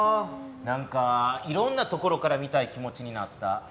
なんかいろんな所から見たい気持ちになった。